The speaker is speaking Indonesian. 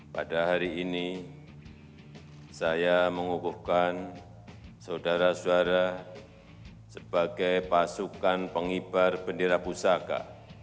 pada hari ini saya mengukuhkan saudara saudara sebagai pasukan pengibar bendera pusaka